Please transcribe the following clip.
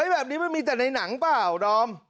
แบบนี้มันมีแต่ในหนังเปล่าดอม